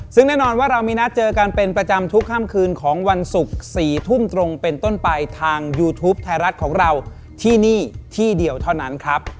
ซึ่งแน่นอนว่าเรามีนัดเจอกันเป็นประจำทุกค่ำคืนของวันศุกร์๔ทุ่มตรงเป็นต้นไปทางยูทูปไทยรัฐของเราที่นี่ที่เดียวเท่านั้นครับ